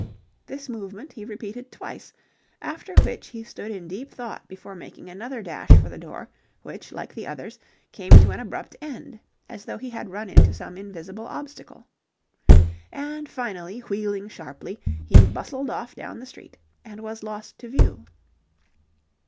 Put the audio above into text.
This movement he repeated twice, after which he stood in deep thought before making another dash for the door, which, like the others, came to an abrupt end as though he had run into some invisible obstacle. And, finally, wheeling sharply, he bustled off down the street and was lost to view.